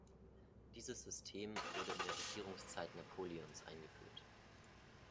Dieses System wurde in der Regierungszeit Napoleons eingeführt.